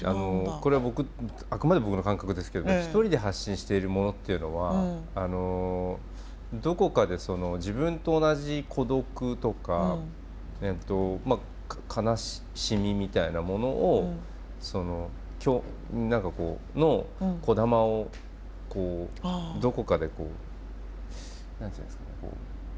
これはあくまで僕の感覚ですけど１人で発信しているものっていうのはどこかで自分と同じ孤独とか悲しみみたいなもののこだまをどこかでこう何て言うんですかね